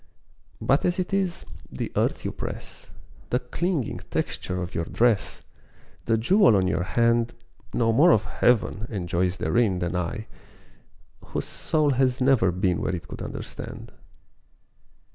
But as it is, the earth you press, The clinging texture of your dress, The jewel on your hand Know more of Heaven and joys therein Than I, whose soul has never been Where it could understand.